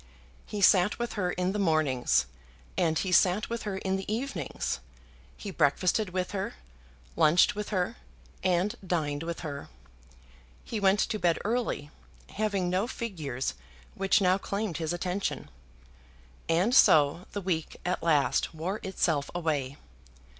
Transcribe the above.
He sat with her in the mornings, and he sat with her in the evenings; he breakfasted with her, lunched with her, and dined with her. He went to bed early, having no figures which now claimed his attention. And so the week at last wore itself away.